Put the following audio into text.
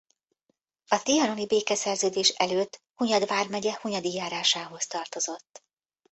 A trianoni békeszerződés előtt Hunyad vármegye Hunyadi járásához tartozott.